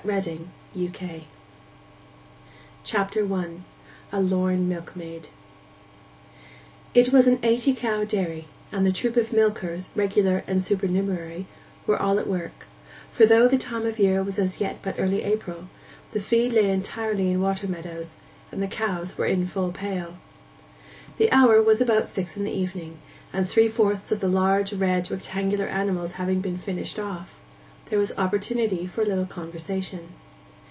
THE WITHERED ARM CHAPTER I—A LORN MILKMAID It was an eighty cow dairy, and the troop of milkers, regular and supernumerary, were all at work; for, though the time of year was as yet but early April, the feed lay entirely in water meadows, and the cows were 'in full pail.' The hour was about six in the evening, and three fourths of the large, red, rectangular animals having been finished off, there was opportunity for a little conversation.